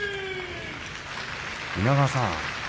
稲川さん